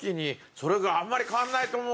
それがあんまり変わらないと思うな。